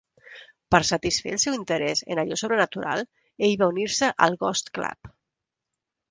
Per satisfer el seu interès en allò sobrenatural, ell va unir-se al "Ghost Club".